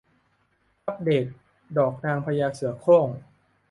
อัปเดตดอกนางพญาเสือโคร่ง